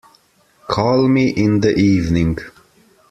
Call me in the evening.